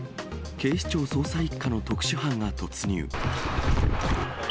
警視庁捜査１課の特殊班が突入。